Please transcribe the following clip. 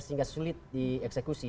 sehingga sulit dieksekusi